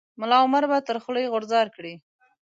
ملا عمر به تر خوله غورځار کړي.